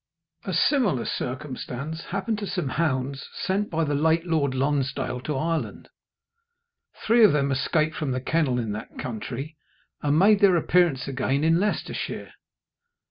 A similar circumstance happened to some hounds sent by the late Lord Lonsdale to Ireland. Three of them escaped from the kennel in that country, and made their appearance again in Leicestershire.